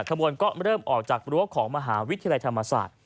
ขบวนก็เริ่มออกจากรั้วของมหาวิทยาลัยธรรมศาสตร์